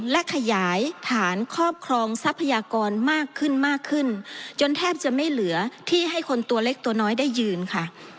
และขยายฐานครอบครองทรัพยากรมากขึ้นมากขึ้นจนแทบจะไม่เหลือที่ให้คนตัวเล็กตัวน้อยได้ยืนค่ะ